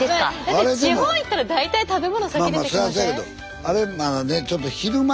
だって地方行ったら大体食べ物先出てきません？